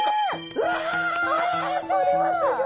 わこれはすギョい！